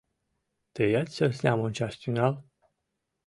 Тыят сӧснам ончаш тӱҥал.